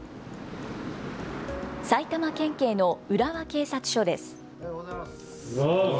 埼玉県警の浦和警察署です。